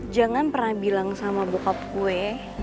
jangan pernah bilang sama bokap gue